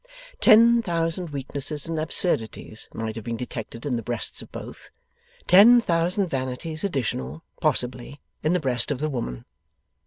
Ten thousand weaknesses and absurdities might have been detected in the breasts of both; ten thousand vanities additional, possibly, in the breast of the woman.